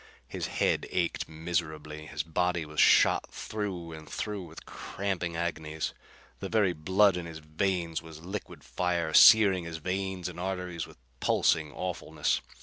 His head ached miserably; his body was shot through and through with cramping agonies. The very blood in his veins was liquid fire, searing his veins and arteries with pulsing awfulness.